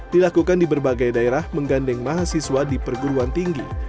dilakukan di berbagai daerah menggandeng mahasiswa di perguruan tinggi